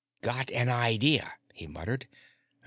"Got an idea," he muttered.